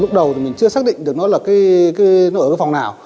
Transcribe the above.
lúc đầu mình chưa xác định được nó ở cái phòng nào